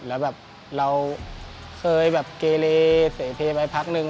แล้วแบบเราเคยแบบเกเลเสเทไปพักนึง